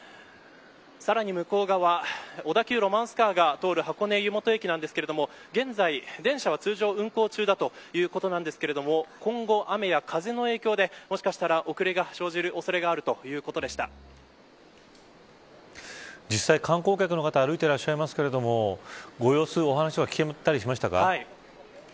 さらに向こう側小田急ロマンスカーが通る箱根湯本駅なんですけど現在、電車は通常運行中だということなんですけれども今後、雨や風の影響でもしかしたら遅れが生じる恐れが実際、観光客の方歩いてらっしゃいますけどご様子やお話とか聞けたりしましたか。